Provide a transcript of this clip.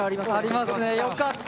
ありますねよかった。